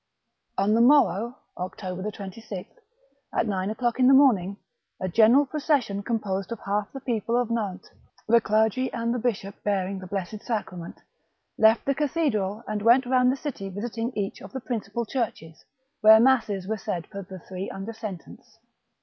On the mori'ow, October 26th, at nine o'clock in the morning, a general procession composed of half the people of Nantes, the clergy and the bishop beaiing the blessed Sacrament, left the cathedral and went round the city visiting each of the principal churches, where masses were said for the three under sentence.